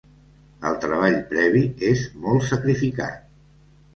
El treball previ és molt sacrificat.